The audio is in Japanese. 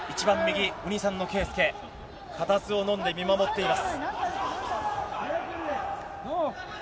一番右、お兄さんの圭祐、かたずをのんで見守っています。